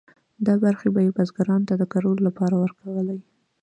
دا برخې به یې بزګرانو ته د کرلو لپاره ورکولې.